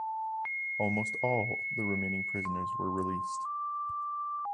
Almost all the remaining prisoners were released.